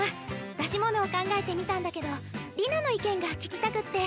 出し物を考えてみたんだけど璃奈の意見が聞きたくって。